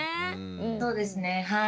そうですねはい。